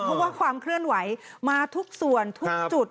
เพราะว่าความเคลื่อนไหวมาทุกส่วนทุกจุด